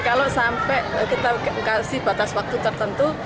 kalau sampai kita kasih batas waktu tertentu